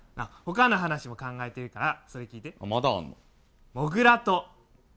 他の話も考えてるから聞いて。